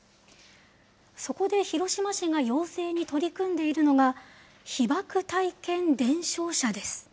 そこで広島市が養成に取り組んでいるのが、被爆体験伝承者です。